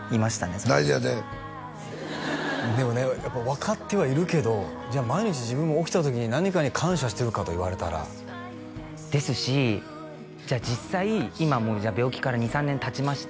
その時大事やでハハハでもねやっぱ分かってはいるけどじゃあ毎日自分も起きた時に何かに感謝してるかと言われたらですしじゃあ実際今もうじゃあ病気から２３年たちました